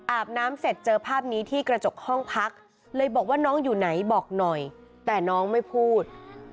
อาบน้ำเสร็จเจอภาพนี้ที่กระจกห้องพักเลยบอกว่าน้องอยู่ไหนบอกหน่อยแต่น้องไม่พูด